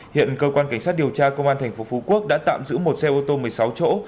hiện cơ quan cảnh sát điều tra công an tp phú quốc đã tạm giữ một xe ô tô một mươi sáu chỗ